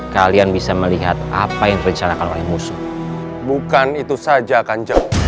kalian bisa melihat apa yang direncanakan oleh musuh bukan itu saja akan jauh